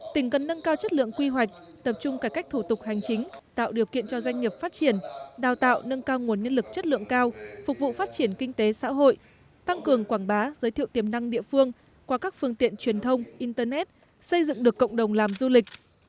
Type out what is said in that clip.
tỉnh cần nâng cao chất lượng quy hoạch tập trung cải cách thủ tục hành chính tạo điều kiện cho doanh nghiệp phát triển đào tạo nâng cao nguồn nhân lực chất lượng cao phục vụ phát triển kinh tế xã hội tăng cường quảng bá giới thiệu tiềm năng địa phương qua các phương tiện truyền thông internet xây dựng được cộng đồng làm du lịch